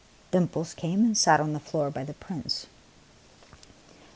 Dimples came and sat on the floor by the Prince.